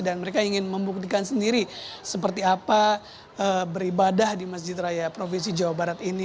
dan mereka ingin membuktikan sendiri seperti apa beribadah di masjid raya provinsi jawa barat ini